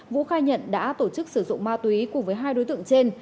vũ khai nhận đã tổ chức sử dụng ma túy cùng với hai đối tượng trên